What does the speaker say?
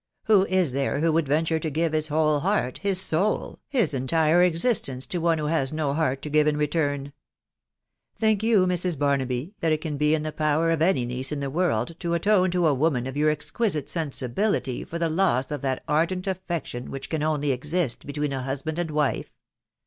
. who U there who would venture to give his whole heart, his soul, hie entire existence to one who has no heart to give; in return ? Think you, Mrs. Barnaby, that it can be in tho power of any .niece in the world to atone to a woman of your exquisite sensibility for the loss of that ardent affection which 08 I 1<K> THE WIDOW BARNABY. can only exist between a husband and wife